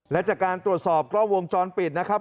และจากการตรวจสอบกล้องวงจรปิดนะครับ